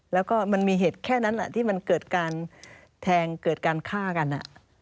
แล้วก็มันมีเหตุแค่นั้นที่มันเกิดการแทงเกิดการฆ่ากัน